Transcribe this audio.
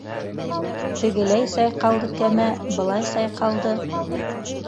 Тегеләй сайҡалды кәмә, былай сайҡалды.